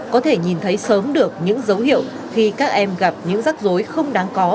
có thể nhìn thấy sớm được những dấu hiệu khi các em gặp những rắc rối không đáng có